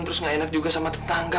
terus gak enak juga sama tetangga